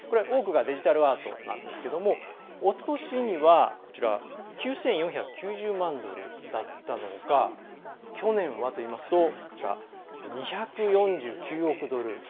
多くがデジタルアートなんですけれどもおととしには９４９０万ドルだったのが去年はといいますと２４９億ドル。